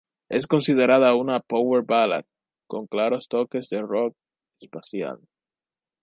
Es considerada una "power ballad" con claros toques del "rock" espacial.